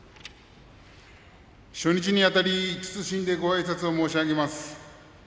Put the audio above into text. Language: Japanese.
初日にあたり謹んでごあいさつを申し上げます。